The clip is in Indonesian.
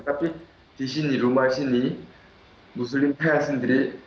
tapi di sini rumah sini muslim saya sendiri